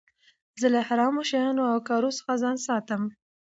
زه له حرامو شيانو او کارو څخه ځان ساتم.